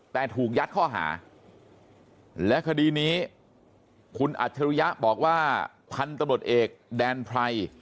แต่ถูกยัดข้อหาและคดีนี้คุณอัจฉริยะบอกว่าพันธุ์ตำรวจเอกแดนไพร